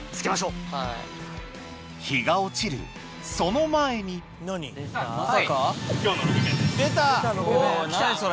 日が落ちるその前に来た！